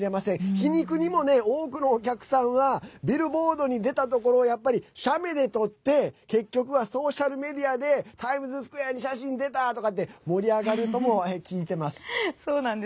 皮肉にもね、多くのお客さんはビルボードに出たところをやっぱり、写メで撮って結局はソーシャルメディアでタイムズスクエアに写真出た！とかって盛り上がるとも聞いてます。